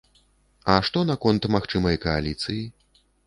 А што наконт магчымай кааліцыі?